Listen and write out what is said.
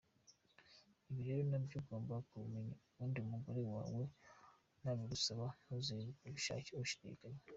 Ibi rero nabyo ugomba kubimenya ubundi umugore wawe n’abigusaba ntuzirirwe ushidikanya.